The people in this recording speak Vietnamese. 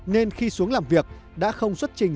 nên khi xuống làm việc đã không xuất trình ra sau